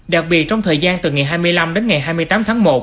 đặc biệt trong thời gian từ ngày hai mươi năm đến ngày hai mươi tám tháng một